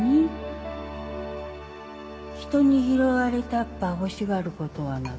人に拾われたっば欲しがることはなか